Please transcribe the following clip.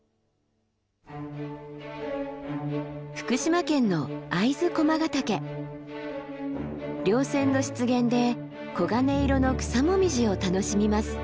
福島県の稜線の湿原で黄金色の草紅葉を楽しみます。